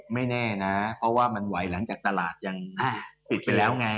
ไม่แน่นะเพราะว่ามันไหวหลังจากตลาดยังปิดไปแล้วไง